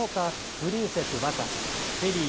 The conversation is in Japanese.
プリンセスわかさフェリー